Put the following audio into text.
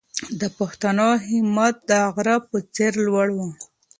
د پښتنو همت د غره په څېر لوړ و.